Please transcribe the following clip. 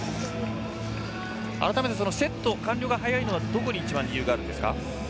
改めてセットの完了が早いのはどこに一番、理由があるんですか。